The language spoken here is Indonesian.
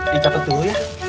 dicatat dulu ya